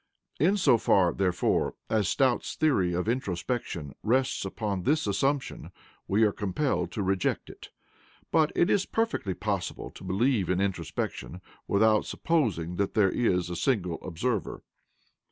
In so far, therefore, as Stout's theory of introspection rests upon this assumption, we are compelled to reject it. But it is perfectly possible to believe in introspection without supposing that there is a single observer.